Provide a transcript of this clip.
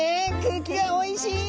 空気がおいしい！